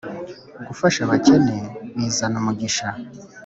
Gufasha abakene Bizana umugisha